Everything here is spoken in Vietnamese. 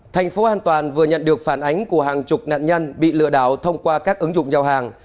thành phố an toàn vừa nhận được phản ánh của hàng chục nạn nhân bị lừa đảo thông qua các ứng dụng giao hàng